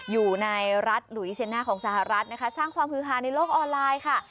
อยู่ในรัฐหลุยเซียน่าของสหรัฐนะคะสร้างความฮือฮาในโลกออนไลน์ค่ะ